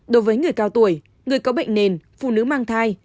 đối với người cao tuổi người có bệnh nền phụ nữ mang thai